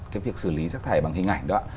cái việc xử lý rác thải bằng hình ảnh đó